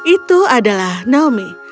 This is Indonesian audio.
itu adalah naomi